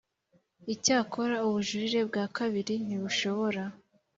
Icyakora ubujurire bwa kabiri ntibushobora